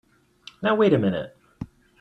Now wait a minute!